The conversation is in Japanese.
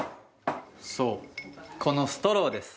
そうこのストローです